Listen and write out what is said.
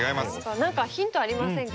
何かヒントありませんか？